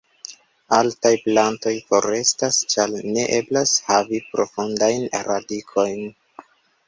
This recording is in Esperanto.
Altaj plantoj forestas ĉar ne eblas havi profundajn radikojn.